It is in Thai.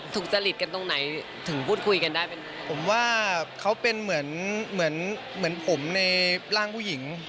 สุจริตกันตรงไหนถึงพูดคุยกันได้เป็นผมว่าเขาเป็นเหมือนเหมือนผมในร่างผู้หญิง